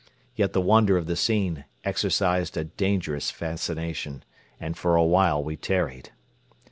Yet the wonder of the scene exercised a dangerous fascination, and for a while we tarried.